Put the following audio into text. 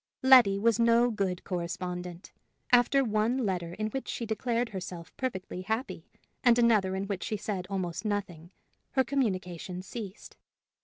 Letty was no good correspondent: after one letter in which she declared herself perfectly happy, and another in which she said almost nothing, her communication ceased.